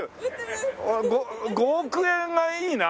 ５億円がいいな。